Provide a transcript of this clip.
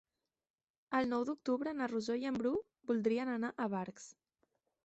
El nou d'octubre na Rosó i en Bru voldrien anar a Barx.